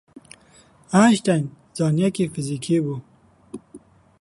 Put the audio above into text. Eînişteyn zaneyekî fîzîkî bû